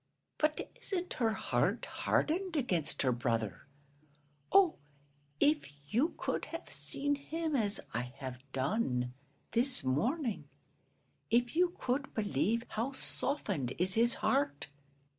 But isn't her heart hardened against her brother? Oh, if you could have seen him as I have done this morning if you could believe how softened is his heart!